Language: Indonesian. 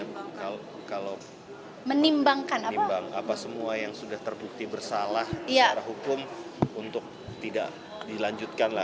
kalau menimbangkan nih bang apa semua yang sudah terbukti bersalah secara hukum untuk tidak dilanjutkan lah